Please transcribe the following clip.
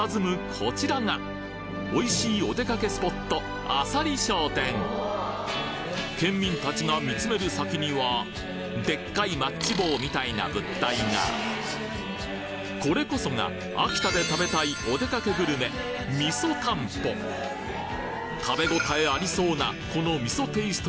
こちらがおいしいおでかけスポット県民たちが見つめる先にはでっかいマッチ棒みたいな物体がこれこそが秋田で食べたい食べ応えありそうなこの味噌テイスト